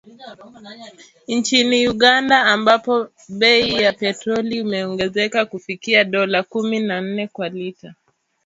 Nchini Uganda ambapo bei ya petroli imeongezeka kufikia dola kumi na nne kwa lita,